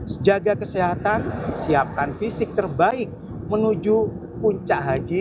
sejaga kesehatan siapkan fisik terbaik menuju puncak haji